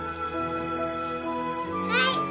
はい！